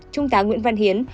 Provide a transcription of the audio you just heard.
chúng ta nguyễn văn hiệp